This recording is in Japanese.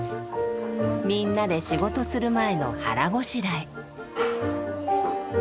みんなで仕事する前の腹ごしらえ。